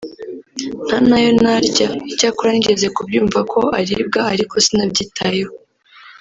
ntanayo narya; icyakora nigeze kubyumva ko aribwa ariko sinabyitayeho”